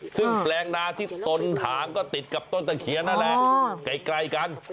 ซึ่งแปลงนาที่ตนถางก็ติดกับต้นตะเคียนนั่นแหละไกลกัน